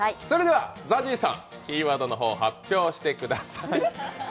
それではＺＡＺＹさん、キーワードの方を発表してください。